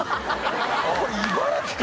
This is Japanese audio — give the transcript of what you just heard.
これ茨城か？